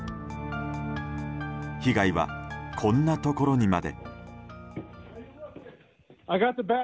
被害は、こんなところにまで。